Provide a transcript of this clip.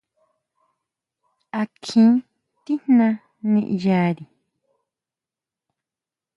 ¿A kjín tijná niʼyari!